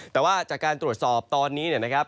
แต่ว่าจากการตรวจสอบตอนนี้เนี่ยนะครับ